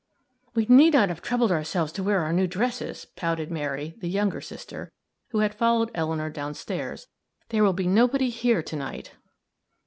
"We need not have troubled ourselves to wear our new dresses," pouted Mary, the younger sister, who had followed Eleanor down stairs "there will be nobody here to night."